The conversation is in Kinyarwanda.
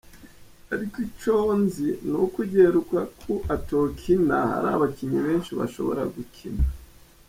Ariko ico nzi nuko igihe Lukaku atokina, hari abakinyi benshi bashobora gukina.